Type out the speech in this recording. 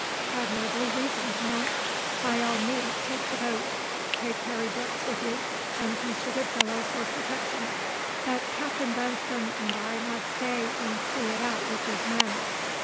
"Admirably reasoned, ma'am. By all means take the boat take Harry Brooks with you, and Mr. Goodfellow for protection. But Captain Branscome and I must stay and see it out with these men."